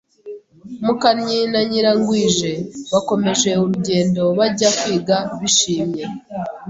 Mukannyi na Nyirangwije bakomeje urugendo bajya kwiga bishimye.